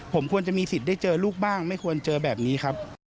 ผมควรจะมีสิทธิ์ได้เจอลูกบ้างไม่ควรเจอแบบนี้ครับ